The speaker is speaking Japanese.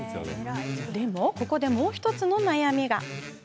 でも、ここでもう１つの悩みが。